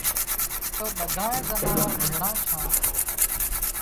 تو ٻڌانئي زناوۯ ڀيۯان ڇان